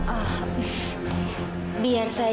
ah biar saja